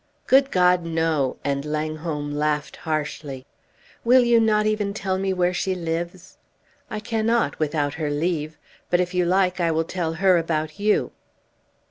"Good God, no!" And Langholm laughed harshly. "Will you not even tell me where she lives?" "I cannot, without her leave; but if you like I will tell her about you."